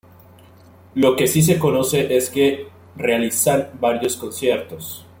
Lo que sí se conoce es que realizan varios conciertos.